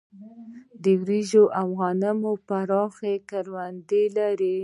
د وريجو او غنمو پراخې کروندې لري.